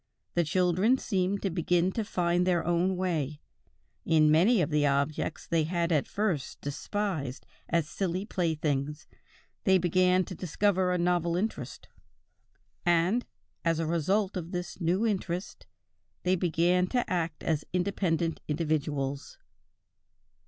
The children seemed to begin to find their own way; in many of the objects they had at first despised as silly playthings, they began to discover a novel interest, and, as a result of this new interest, they began to act as independent individuals."